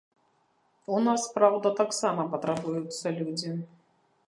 У нас, праўда, таксама патрабуюцца людзі.